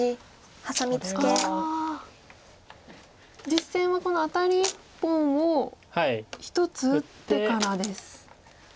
実戦はこのアタリ１本を１つ打ってからです。